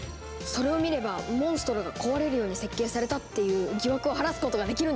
それを見ればモンストロが壊れるように設計されたっていう疑惑を晴らすことができるんですね！